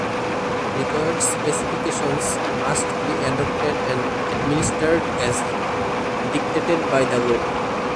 Required specifications must be adopted and administered as dictated by the Rule.